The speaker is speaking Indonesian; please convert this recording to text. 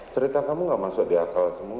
cerita kamu gak masuk di akal semua